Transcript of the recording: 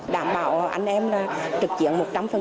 đảm bảo anh em trực diện một trăm linh